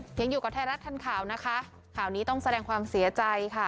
ยังอยู่กับไทยรัฐทันข่าวนะคะข่าวนี้ต้องแสดงความเสียใจค่ะ